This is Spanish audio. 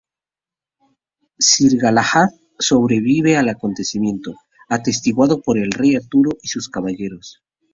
Sir Galahad sobrevive al acontecimiento, atestiguado por el rey Arturo y sus caballeros.